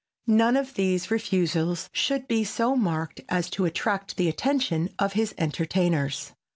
None of these refusals should be so marked as to attract the attention of his entertainers.